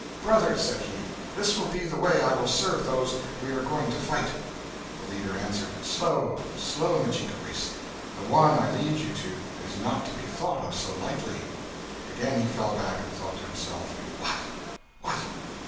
'Brothers,' said he, 'this will be the way I will serve those we are going to fight.' The leader answered, 'Slow, slow, Mudjikewis, the one I lead you to is not to be thought of so lightly.' Again he fell back and thought to himself: 'What! what!